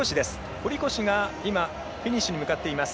堀越がフィニッシュに向かっています。